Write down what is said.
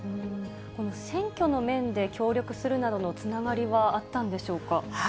この選挙の面で協力するなどのつながりはあったんでしょうか。